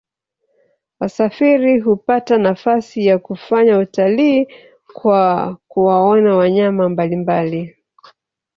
wasafiri hupata nafasi ya kufanya utalii kwa kuwaona wanyama mbalimbali